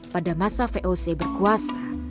pada masa voc berkuasa